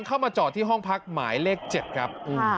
เข้ามาจอดที่ห้องพักหมายเลข๗ครับ